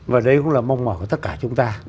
và đấy cũng là mong mỏi của tất cả chúng ta